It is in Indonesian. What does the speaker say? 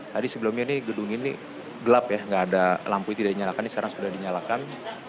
tadi sebelumnya gedung ini gelap ya tidak ada lampu ini sudah dinyalakan sekarang sudah dinyalakan